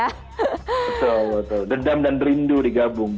betul betul dedam dan rindu digabung